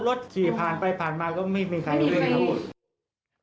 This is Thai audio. รถขี่ผ่านไปผ่านมา็ไม่มีใครพูดครับ